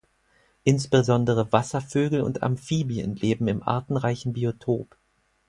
Insbesondere Wasservögel und Amphibien leben im artenreichen Biotop.